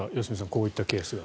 こういったケースが。